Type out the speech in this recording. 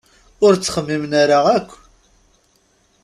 Ur ttxemmimen ara akk!